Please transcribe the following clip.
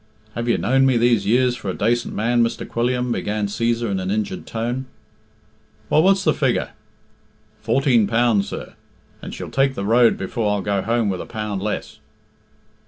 "Have you known me these years for a dacent man, Mr. Quilliam " began Cæsar in an injured tone. "Well, what's the figure?" "Fourteen pound, sir! and she'll take the road before I'll go home with a pound less!"